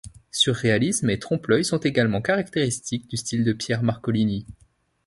Surréalisme et trompe-l’oeil sont également caractéristiques du style de Pierre Marcolini.